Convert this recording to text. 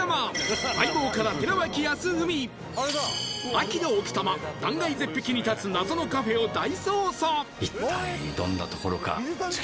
秋の奥多摩断崖絶壁に建つ謎のカフェを大捜査